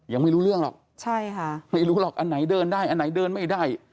ยังไม่รู้เรื่องหรอกใช่ค่ะไม่รู้หรอกอันไหนเดินได้อันไหนเดินไม่ได้